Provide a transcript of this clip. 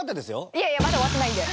いやいやまだ終わってないんで！